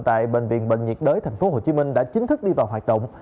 tại bệnh viện bệnh nhiệt đới tp hcm đã chính thức đi vào hoạt động